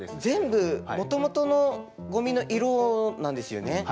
全部もともとのゴミの色なんですよね。